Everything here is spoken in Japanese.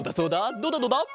どうだどうだ？